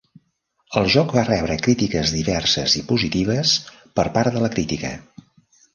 El joc va rebre crítiques diverses i positives per part de la crítica.